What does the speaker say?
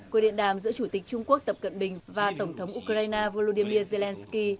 cuộc điện đàm giữa chủ tịch trung quốc tập cận bình và tổng thống ukraine volodymyr zelensky